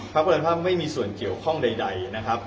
พระประธานภาพไม่มีส่วนเกี่ยวข้องใดนะครับ